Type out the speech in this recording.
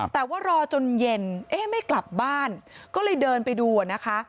แต่ว่ารอจนเย็นเอ๊ะไม่กลับบ้านก็เลยเดินไปดูนะคะ